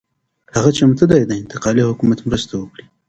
هغه چمتو دی د انتقالي حکومت مرسته وکړي.